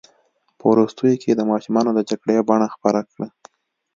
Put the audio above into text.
په وروستیو کې یې د ماشومانو د جګړې بڼه خپله کړه.